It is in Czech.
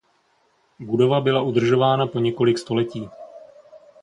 Budova byla udržována po několik století.